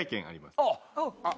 あっ。